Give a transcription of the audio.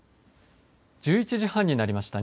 １１時半になりました。